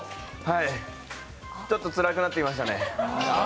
はい、ちょっとつらくなってきましたね。